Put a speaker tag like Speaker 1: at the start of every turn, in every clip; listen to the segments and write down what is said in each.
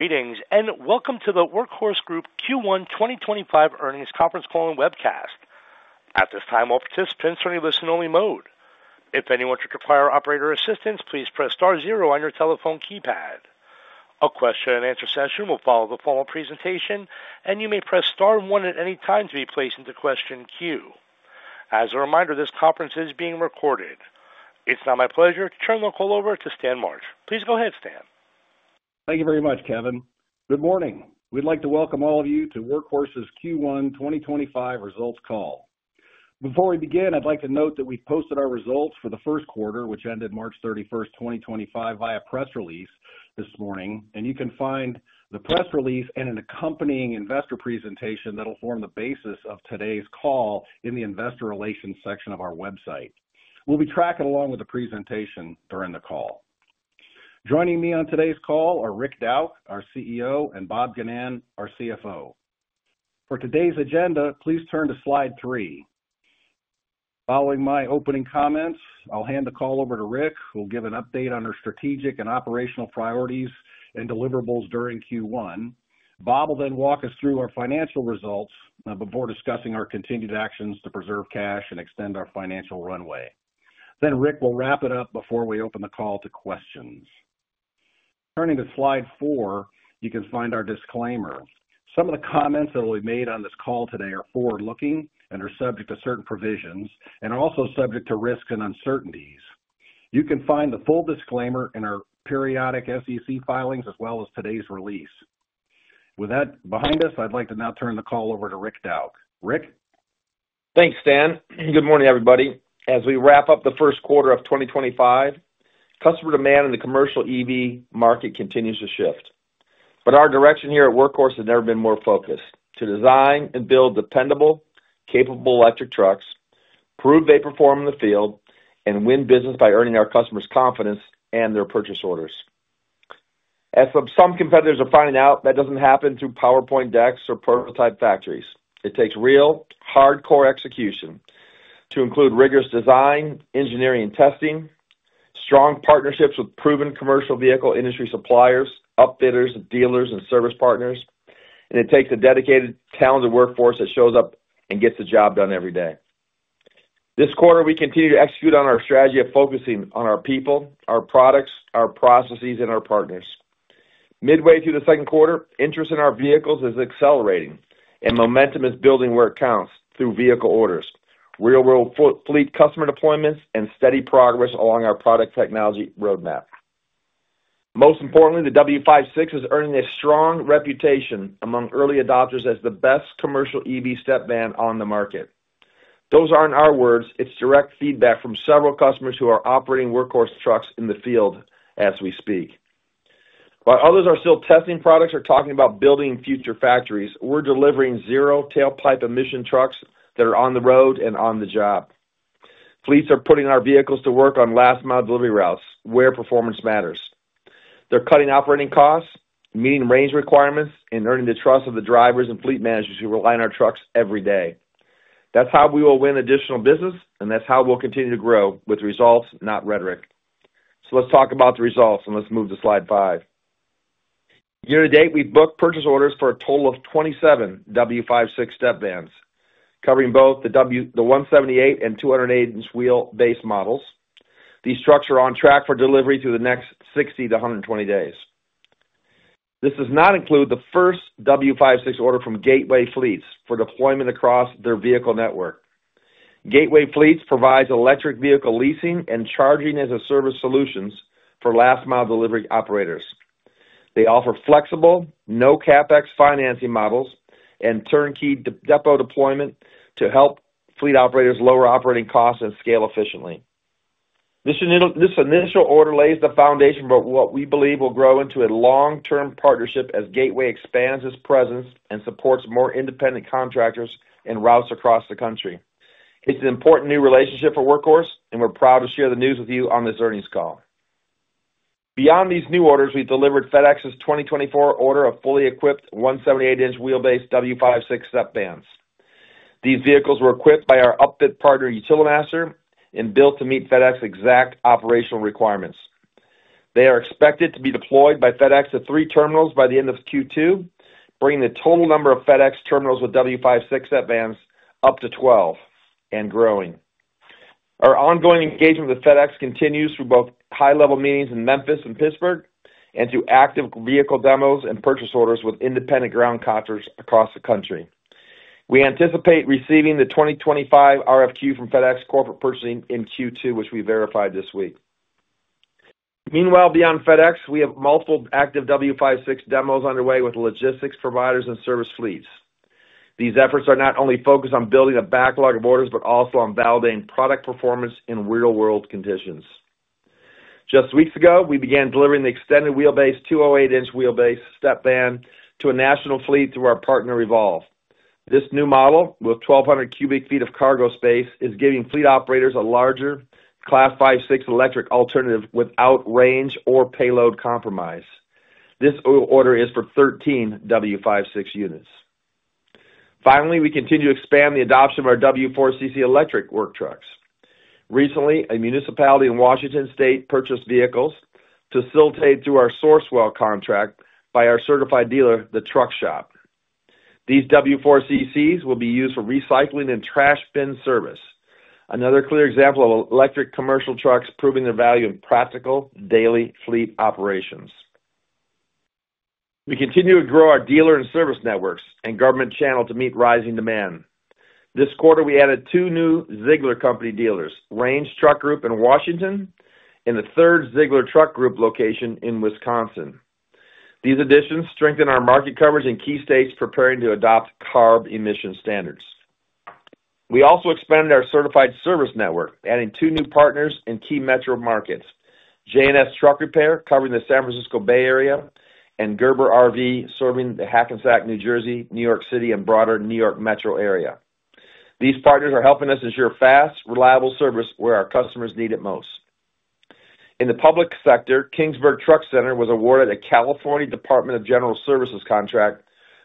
Speaker 1: Greetings and welcome to the Workhorse Group Q1 2025 earnings conference call and webcast. At this time, all participants are in a listen-only mode. If anyone should require operator assistance, please press star zero on your telephone keypad. A question-and-answer session will follow the following presentation, and you may press star one at any time to be placed into question queue. As a reminder, this conference is being recorded. It's now my pleasure to turn the call over to Stan March. Please go ahead, Stan.
Speaker 2: Thank you very much, Kevin. Good morning. We'd like to welcome all of you to Workhorse's Q1 2025 results call. Before we begin, I'd like to note that we posted our results for the first quarter, which ended March 31st, 2025, via press release this morning. You can find the press release and an accompanying investor presentation that'll form the basis of today's call in the Investor Relations section of our website. We'll be tracking along with the presentation during the call. Joining me on today's call are Rick Dauch, our CEO, and Bob Ginnan, our CFO. For today's agenda, please turn to slide three. Following my opening comments, I'll hand the call over to Rick, who'll give an update on our strategic and operational priorities and deliverables during Q1. Bob will then walk us through our financial results before discussing our continued actions to preserve cash and extend our financial runway. Rick will wrap it up before we open the call to questions. Turning to slide four, you can find our disclaimer. Some of the comments that will be made on this call today are forward-looking and are subject to certain provisions and are also subject to risks and uncertainties. You can find the full disclaimer in our periodic SEC filings as well as today's release. With that behind us, I'd like to now turn the call over to Rick Dauch. Rick.
Speaker 3: Thanks, Stan. Good morning, everybody. As we wrap up the first quarter of 2025, customer demand in the commercial EV market continues to shift. Our direction here at Workhorse has never been more focused to design and build dependable, capable electric trucks, prove they perform in the field, and win business by earning our customers' confidence and their purchase orders. As some competitors are finding out, that does not happen through PowerPoint decks or prototype factories. It takes real, hardcore execution to include rigorous design, engineering, and testing, strong partnerships with proven commercial vehicle industry suppliers, upfitters, dealers, and service partners. It takes a dedicated, talented workforce that shows up and gets the job done every day. This quarter, we continue to execute on our strategy of focusing on our people, our products, our processes, and our partners. Midway through the second quarter, interest in our vehicles is accelerating, and momentum is building where it counts through vehicle orders, real-world fleet customer deployments, and steady progress along our product technology roadmap. Most importantly, the W56 is earning a strong reputation among early adopters as the best commercial EV step van on the market. Those aren't our words; it's direct feedback from several customers who are operating Workhorse trucks in the field as we speak. While others are still testing products or talking about building future factories, we're delivering zero-tailpipe emission trucks that are on the road and on the job. Fleets are putting our vehicles to work on last-mile delivery routes where performance matters. They're cutting operating costs, meeting range requirements, and earning the trust of the drivers and fleet managers who rely on our trucks every day. That's how we will win additional business, and that's how we'll continue to grow with results, not rhetoric. Let's talk about the results, and let's move to slide five. Year to date, we've booked purchase orders for a total of 27 W56 step vans, covering both the 178 and 280-inch wheel-based models. These trucks are on track for delivery through the next 60-120 days. This does not include the first W56 order from Gateway Fleets for deployment across their vehicle network. Gateway Fleets provides electric vehicle leasing and charging-as-a-service solutions for last-mile delivery operators. They offer flexible, no-CapEx financing models and turnkey depo deployment to help fleet operators lower operating costs and scale efficiently. This initial order lays the foundation for what we believe will grow into a long-term partnership as Gateway expands its presence and supports more independent contractors and routes across the country. It's an important new relationship for Workhorse, and we're proud to share the news with you on this earnings call. Beyond these new orders, we delivered FedEx's 2024 order of fully equipped 178-inch wheel-based W56 step vans. These vehicles were equipped by our upfit partner, Utilimaster, and built to meet FedEx's exact operational requirements. They are expected to be deployed by FedEx to three terminals by the end of Q2, bringing the total number of FedEx terminals with W56 step vans up to 12 and growing. Our ongoing engagement with FedEx continues through both high-level meetings in Memphis and Pittsburgh and through active vehicle demos and purchase orders with independent ground contractors across the country. We anticipate receiving the 2025 RFQ from FedEx Corporate Purchasing in Q2, which we verified this week. Meanwhile, beyond FedEx, we have multiple active W56 demos underway with logistics providers and service fleets. These efforts are not only focused on building a backlog of orders but also on validating product performance in real-world conditions. Just weeks ago, we began delivering the extended wheelbase 208-inch wheelbase step van to a national fleet through our partner, Revolve. This new model, with 1,200 cu ft of cargo space, is giving fleet operators a larger Class 56 electric alternative without range or payload compromise. This order is for 13 W56 units. Finally, we continue to expand the adoption of our W4CC electric work trucks. Recently, a municipality in Washington State purchased vehicles to facilitate through our Sourcewell contract by our certified dealer, The Truck Shop. These W4CCs will be used for recycling and trash bin service. Another clear example of electric commercial trucks proving the value of practical daily fleet operations. We continue to grow our dealer and service networks and government channel to meet rising demand. This quarter, we added two new Ziegler company dealers, Range Truck Group in Washington and the third Ziegler Truck Group location in Wisconsin. These additions strengthen our market coverage in key states preparing to adopt CARB emission standards. We also expanded our certified service network, adding two new partners in key metro markets: J&S Truck Repair, covering the San Francisco Bay Area, and Gerber RV, serving the Hackensack, New Jersey, New York City, and broader New York metro area. These partners are helping us ensure fast, reliable service where our customers need it most. In the public sector, Kingsburg Truck Center was awarded a California Department of General Services contract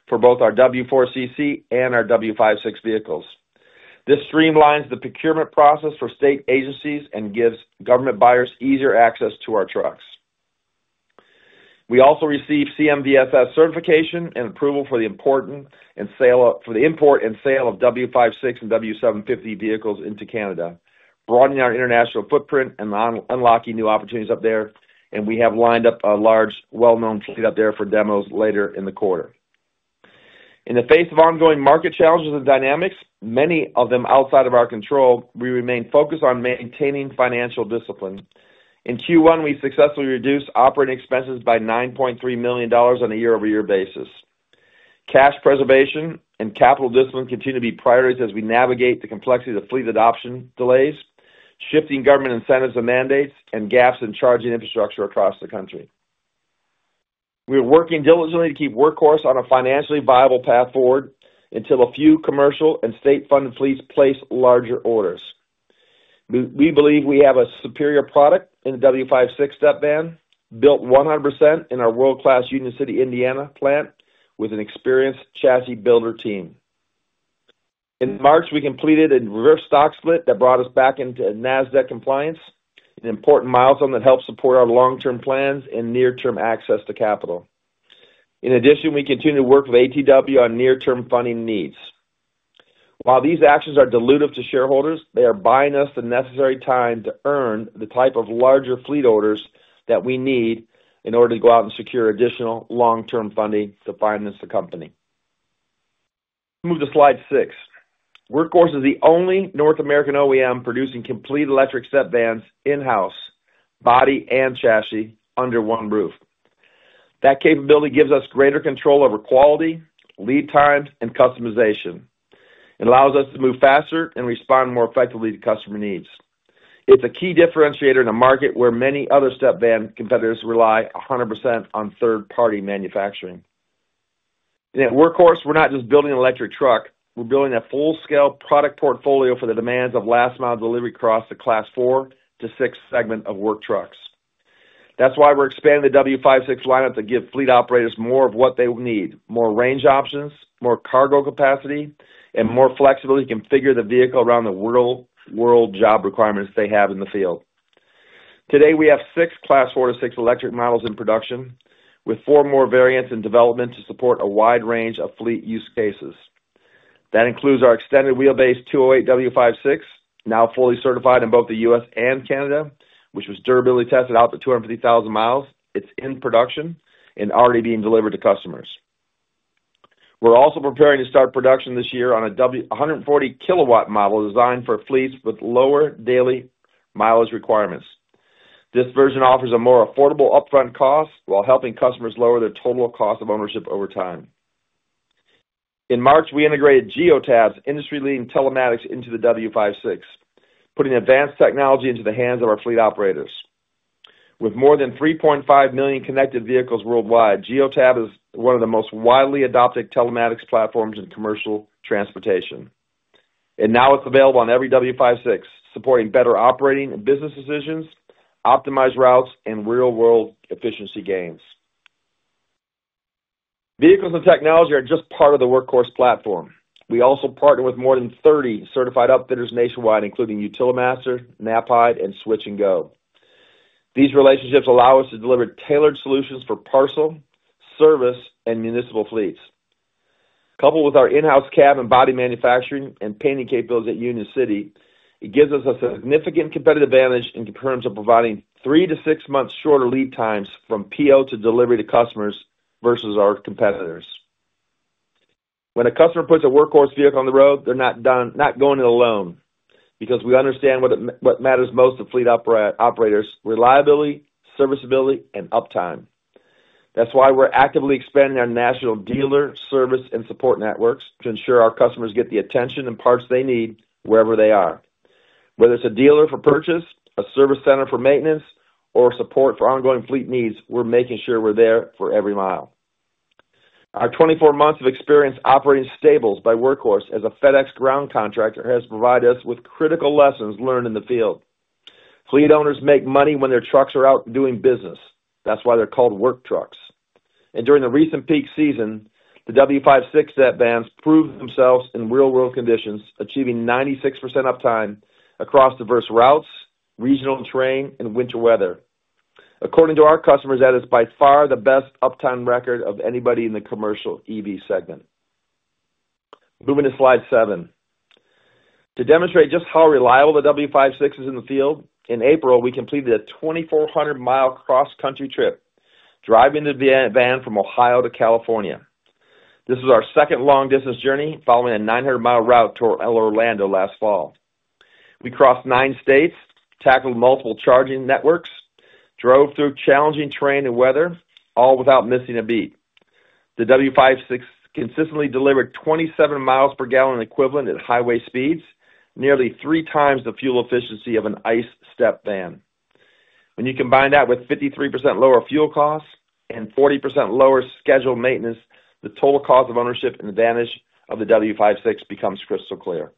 Speaker 3: for both our W4CC and our W56 vehicles. This streamlines the procurement process for state agencies and gives government buyers easier access to our trucks. We also received CMVFS certification and approval for the import and sale of W56 and W750 vehicles into Canada, broadening our international footprint and unlocking new opportunities up there. We have lined up a large, well-known fleet up there for demos later in the quarter. In the face of ongoing market challenges and dynamics, many of them outside of our control, we remain focused on maintaining financial discipline. In Q1, we successfully reduced operating expenses by $9.3 million on a year-over-year basis. Cash preservation and capital discipline continue to be priorities as we navigate the complexity of fleet adoption delays, shifting government incentives and mandates, and gaps in charging infrastructure across the country. We are working diligently to keep Workhorse on a financially viable path forward until a few commercial and state-funded fleets place larger orders. We believe we have a superior product in the W56 step van, built 100% in our world-class Union City, Indiana, plant with an experienced chassis builder team. In March, we completed a reverse stock split that brought us back into Nasdaq compliance, an important milestone that helps support our long-term plans and near-term access to capital. In addition, we continue to work with ATW on near-term funding needs. While these actions are dilutive to shareholders, they are buying us the necessary time to earn the type of larger fleet orders that we need in order to go out and secure additional long-term funding to finance the company. Move to slide six. Workhorse is the only North American OEM producing complete electric step vans in-house, body and chassis, under one roof. That capability gives us greater control over quality, lead times, and customization. It allows us to move faster and respond more effectively to customer needs. It's a key differentiator in a market where many other step van competitors rely 100% on third-party manufacturing. At Workhorse, we're not just building an electric truck; we're building a full-scale product portfolio for the demands of last-mile delivery across the Class 4 to 6 segment of work trucks. That's why we're expanding the W56 lineup to give fleet operators more of what they need: more range options, more cargo capacity, and more flexibility to configure the vehicle around the world job requirements they have in the field. Today, we have six Class 4 to 6 electric models in production, with four more variants in development to support a wide range of fleet use cases. That includes our extended wheel-based 208 W56, now fully certified in both the U.S. and Canada, which was durability tested out to 250,000 mi. It's in production and already being delivered to customers. We're also preparing to start production this year on a 140 kW model designed for fleets with lower daily mileage requirements. This version offers a more affordable upfront cost while helping customers lower their total cost of ownership over time. In March, we integrated Geotab's industry-leading telematics into the W56, putting advanced technology into the hands of our fleet operators. With more than 3.5 million connected vehicles worldwide, Geotab is one of the most widely adopted telematics platforms in commercial transportation. It is now available on every W56, supporting better operating and business decisions, optimized routes, and real-world efficiency gains. Vehicles and technology are just part of the Workhorse platform. We also partner with more than 30 certified upfitters nationwide, including Utilimaster, Knapheide, and Switch-N-Go. These relationships allow us to deliver tailored solutions for parcel, service, and municipal fleets. Coupled with our in-house cab and body manufacturing and painting capabilities at Union City, it gives us a significant competitive advantage in terms of providing three to six months shorter lead times from PO to delivery to customers versus our competitors. When a customer puts a Workhorse vehicle on the road, they're not going it alone because we understand what matters most to fleet operators: reliability, serviceability, and uptime. That's why we're actively expanding our national dealer, service, and support networks to ensure our customers get the attention and parts they need wherever they are. Whether it's a dealer for purchase, a service center for maintenance, or support for ongoing fleet needs, we're making sure we're there for every mile. Our 24 months of experience operating stables by Workhorse as a FedEx ground contractor has provided us with critical lessons learned in the field. Fleet owners make money when their trucks are out doing business. That's why they're called work trucks. During the recent peak season, the W56 step vans proved themselves in real-world conditions, achieving 96% uptime across diverse routes, regional terrain, and winter weather. According to our customers, that is by far the best uptime record of anybody in the commercial EV segment. Moving to slide seven. To demonstrate just how reliable the W56 is in the field, in April, we completed a 2,400 mi cross-country trip, driving the van from Ohio to California. This was our second long-distance journey following a 900 mi route to Orlando last fall. We crossed nine states, tackled multiple charging networks, drove through challenging terrain and weather, all without missing a beat. The W56 consistently delivered 27 mi per gallon equivalent at highway speeds, nearly three times the fuel efficiency of an ICE step van. When you combine that with 53% lower fuel costs and 40% lower scheduled maintenance, the total cost of ownership and advantage of the W56 becomes crystal clear.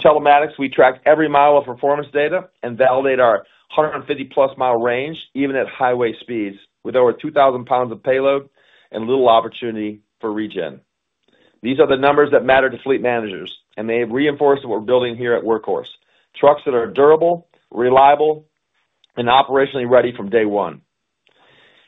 Speaker 3: Through telematics, we track every mile of performance data and validate our 150+ mi range, even at highway speeds, with over 2,000 pounds of payload and little opportunity for regen. These are the numbers that matter to fleet managers, and they reinforce what we're building here at Workhorse: trucks that are durable, reliable, and operationally ready from day one.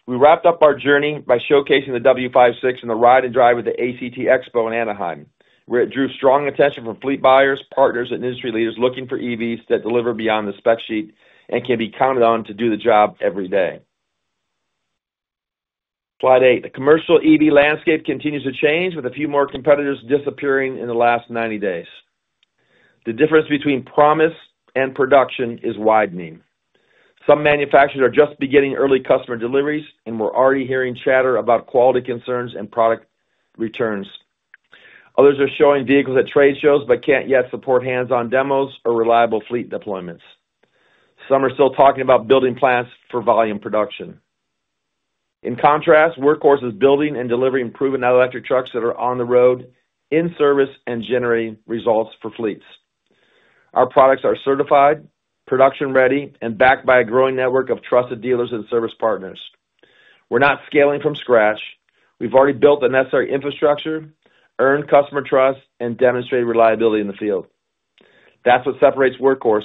Speaker 3: We wrapped up our journey by showcasing the W56 in the ride-and-drive at the ACT Expo in Anaheim, where it drew strong attention from fleet buyers, partners, and industry leaders looking for EVs that deliver beyond the spec sheet and can be counted on to do the job every day. Slide eight. The commercial EV landscape continues to change, with a few more competitors disappearing in the last 90 days. The difference between promise and production is widening. Some manufacturers are just beginning early customer deliveries, and we're already hearing chatter about quality concerns and product returns. Others are showing vehicles at trade shows but can't yet support hands-on demos or reliable fleet deployments. Some are still talking about building plants for volume production. In contrast, Workhorse is building and delivering proven electric trucks that are on the road, in service, and generating results for fleets. Our products are certified, production-ready, and backed by a growing network of trusted dealers and service partners. We're not scaling from scratch. We've already built the necessary infrastructure, earned customer trust, and demonstrated reliability in the field. That's what separates Workhorse.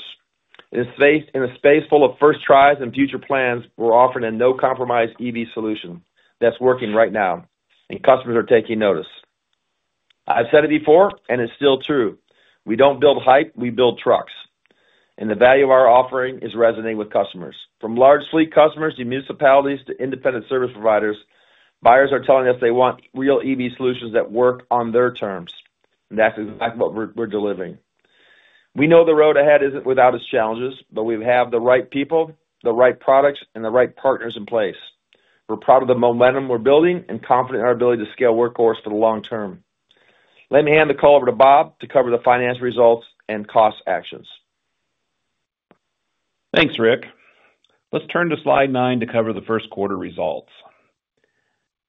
Speaker 3: In a space full of first tries and future plans, we're offering a no-compromise EV solution that's working right now, and customers are taking notice. I've said it before, and it's still true. We don't build hype; we build trucks. The value of our offering is resonating with customers. From large fleet customers to municipalities to independent service providers, buyers are telling us they want real EV solutions that work on their terms. That's exactly what we're delivering. We know the road ahead isn't without its challenges, but we have the right people, the right products, and the right partners in place. We're proud of the momentum we're building and confident in our ability to scale Workhorse for the long term. Let me hand the call over to Bob to cover the financial results and cost actions.
Speaker 4: Thanks, Rick. Let's turn to slide nine to cover the first quarter results.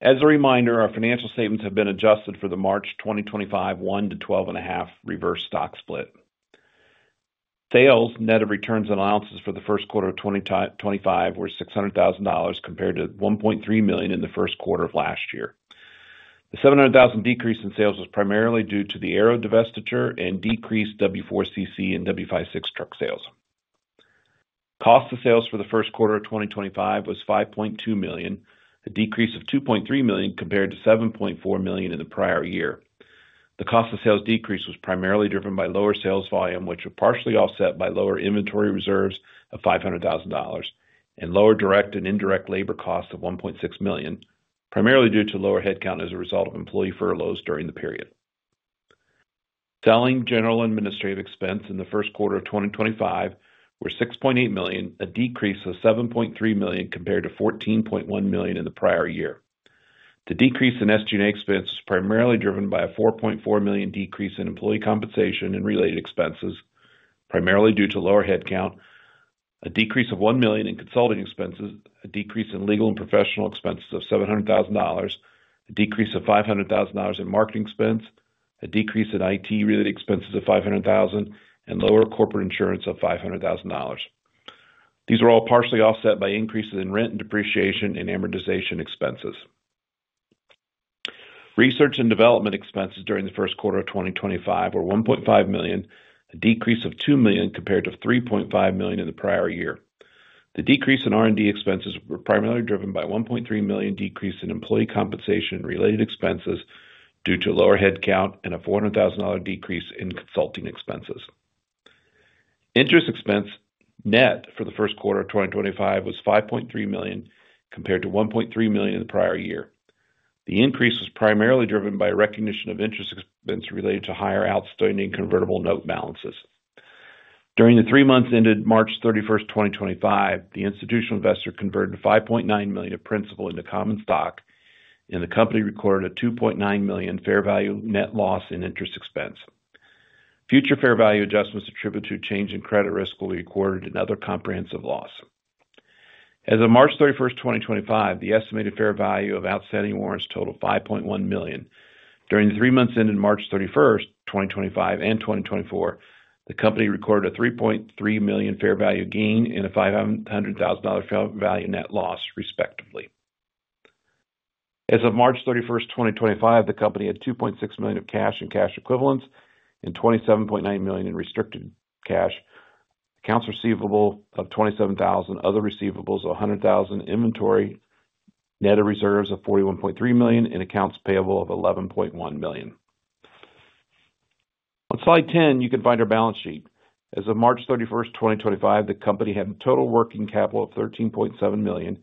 Speaker 4: As a reminder, our financial statements have been adjusted for the March 2025 1 to 12.5 reverse stock split. Sales net of returns and allowances for the first quarter of 2025 were $600,000 compared to $1.3 million in the first quarter of last year. The $700,000 decrease in sales was primarily due to the Arrow divestiture and decreased W4CC and W56 truck sales. Cost of sales for the first quarter of 2025 was $5.2 million, a decrease of $2.3 million compared to $7.4 million in the prior year. The cost of sales decrease was primarily driven by lower sales volume, which was partially offset by lower inventory reserves of $500,000 and lower direct and indirect labor costs of $1.6 million, primarily due to lower headcount as a result of employee furloughs during the period. Selling general administrative expense in the first quarter of 2025 was $6.8 million, a decrease of $7.3 million compared to $14.1 million in the prior year. The decrease in SG&A expense was primarily driven by a $4.4 million decrease in employee compensation and related expenses, primarily due to lower headcount, a decrease of $1 million in consulting expenses, a decrease in legal and professional expenses of $700,000, a decrease of $500,000 in marketing expense, a decrease in IT-related expenses of $500,000, and lower corporate insurance of $500,000. These were all partially offset by increases in rent and depreciation and amortization expenses. Research and development expenses during the first quarter of 2025 were $1.5 million, a decrease of $2 million compared to $3.5 million in the prior year. The decrease in R&D expenses was primarily driven by a $1.3 million decrease in employee compensation and related expenses due to lower headcount and a $400,000 decrease in consulting expenses. Interest expense net for the first quarter of 2025 was $5.3 million compared to $1.3 million in the prior year. The increase was primarily driven by recognition of interest expense related to higher outstanding convertible note balances. During the three months ended March 31, 2025, the institutional investor converted $5.9 million of principal into common stock, and the company recorded a $2.9 million fair value net loss in interest expense. Future fair value adjustments attributed to change in credit risk will be recorded in other comprehensive loss. As of March 31st, 2025, the estimated fair value of outstanding warrants totaled $5.1 million. During the three months ended March 31st, 2025 and 2024, the company recorded a $3.3 million fair value gain and a $500,000 fair value net loss, respectively. As of March 31st, 2025, the company had $2.6 million of cash and cash equivalents and $27.9 million in restricted cash, accounts receivable of $27,000, other receivables of $100,000, inventory net of reserves of $41.3 million, and accounts payable of $11.1 million. On slide 10, you can find our balance sheet. As of March 31st, 2025, the company had a total working capital of $13.7 million,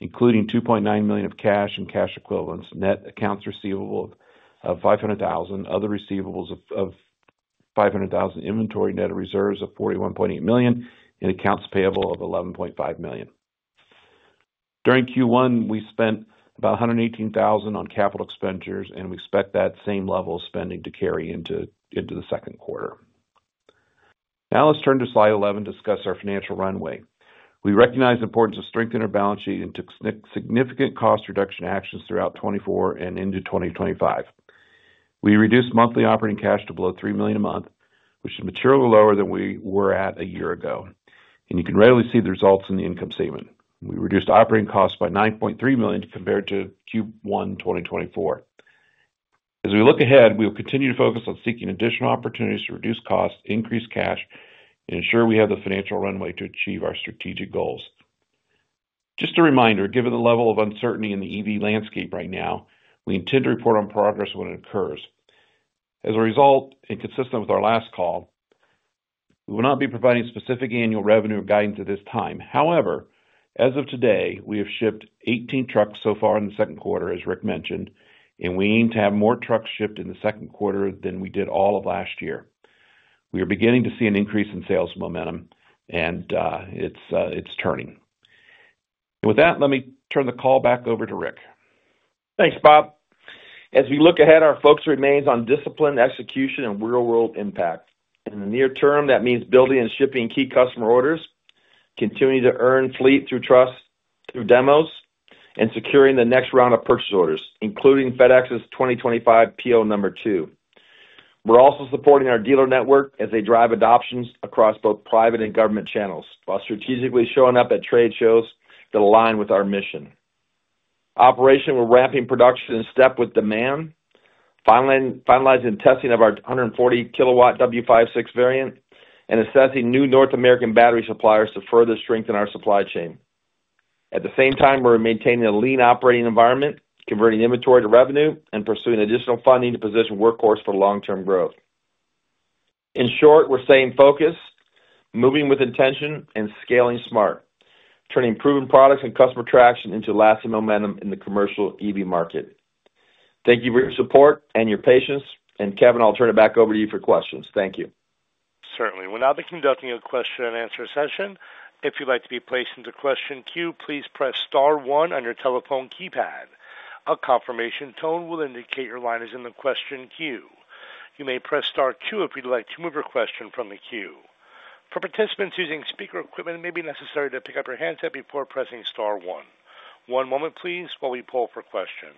Speaker 4: including $2.9 million of cash and cash equivalents, net accounts receivable of $500,000, other receivables of $500,000, inventory net of reserves of $41.8 million, and accounts payable of $11.5 million. During Q1, we spent about $118,000 on capital expenditures, and we expect that same level of spending to carry into the second quarter. Now let's turn to slide 11 to discuss our financial runway. We recognize the importance of strengthening our balance sheet and took significant cost reduction actions throughout 2024 and into 2025. We reduced monthly operating cash to below $3 million a month, which is materially lower than we were at a year ago. You can readily see the results in the income statement. We reduced operating costs by $9.3 million compared to Q1, 2024. As we look ahead, we will continue to focus on seeking additional opportunities to reduce costs, increase cash, and ensure we have the financial runway to achieve our strategic goals. Just a reminder, given the level of uncertainty in the EV landscape right now, we intend to report on progress when it occurs. As a result, and consistent with our last call, we will not be providing specific annual revenue or guidance at this time. However, as of today, we have shipped 18 trucks so far in the second quarter, as Rick mentioned, and we aim to have more trucks shipped in the second quarter than we did all of last year. We are beginning to see an increase in sales momentum, and it's turning. With that, let me turn the call back over to Rick.
Speaker 3: Thanks, Bob. As we look ahead, our focus remains on discipline, execution, and real-world impact. In the near term, that means building and shipping key customer orders, continuing to earn fleet through trust, through demos, and securing the next round of purchase orders, including FedEx's 2025 PO number two. We're also supporting our dealer network as they drive adoptions across both private and government channels while strategically showing up at trade shows that align with our mission. Operation will ramp in production and step with demand, finalizing testing of our 140 kW W56 variant and assessing new North American battery suppliers to further strengthen our supply chain. At the same time, we're maintaining a lean operating environment, converting inventory to revenue, and pursuing additional funding to position Workhorse for long-term growth. In short, we're staying focused, moving with intention, and scaling smart, turning proven products and customer traction into lasting momentum in the commercial EV market. Thank you for your support and your patience, and Kevin, I'll turn it back over to you for questions. Thank you.
Speaker 1: Certainly. We're now conducting a question-and-answer session. If you'd like to be placed into question queue, please press star one on your telephone keypad. A confirmation tone will indicate your line is in the question queue. You may press star two if you'd like to move your question from the queue. For participants using speaker equipment, it may be necessary to pick up your handset before pressing star one. One moment, please, while we pull for questions.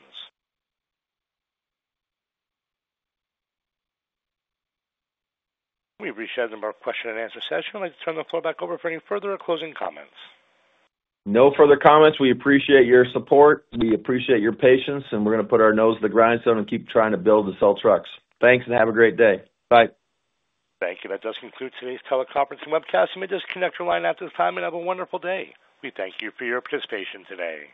Speaker 1: We've reached the end of our question-and-answer session. I'd like to turn the floor back over for any further closing comments.
Speaker 2: No further comments. We appreciate your support. We appreciate your patience, and we're going to put our nose to the grindstone and keep trying to build the sell trucks. Thanks and have a great day. Bye.
Speaker 1: Thank you. That does conclude today's teleconference and webcast. You may disconnect your line at this time and have a wonderful day. We thank you for your participation today.